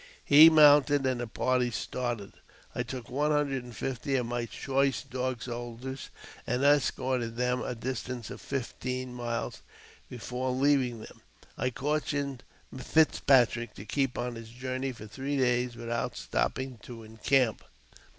He mounted, and the party started. I took one hundred and fifty of my choice Dog Soldiers, and escorted them a distance of fifteen miles. Before leaving them, I cautioned Fitzpatrick to keep on his journey for three days without stopping to encamp.